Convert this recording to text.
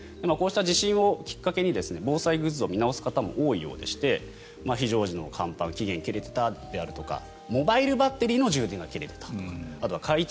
こうした地震をきっかけに防災グッズを見直す方も多いようでして非常時の乾パン期限が切れてたですとかモバイルバッテリーの充電が切れていたとか。